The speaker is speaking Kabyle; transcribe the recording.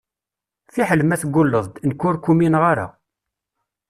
Fiḥel ma tegulleḍ-d, nekk ur k-umineɣ ara.